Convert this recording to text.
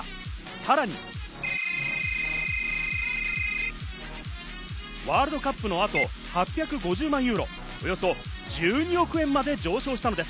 さらに、ワールドカップのあと、８５０万ユーロ、およそ１２億円まで上昇したのです。